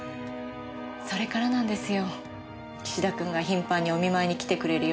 それからなんですよ岸田君が頻繁にお見舞いに来てくれるようになったのは。